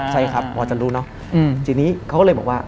ใช่ครับพอจะรู้เนอะจริงเขาเลยบอกว่า